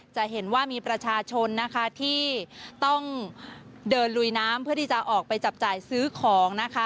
จะเห็นว่ามีประชาชนนะคะที่ต้องเดินลุยน้ำเพื่อที่จะออกไปจับจ่ายซื้อของนะคะ